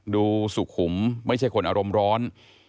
สุขุมไม่ใช่คนอารมณ์ร้อน